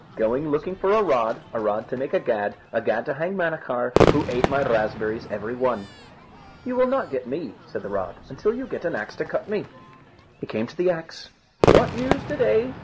Going looking for a rod, a rod to make a gad, a gad to hang Manachar, who ate my raspberries every one." "You will not get me," said the rod, "until you get an axe to cut me." He came to the axe. "What news to day?"